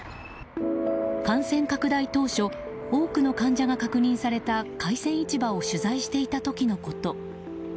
感染拡大当初多くの患者が確認された海鮮市場を取材していた時のこと。